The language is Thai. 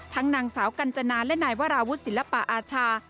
นางสาวกัญจนาและนายวราวุฒิศิลปะอาชา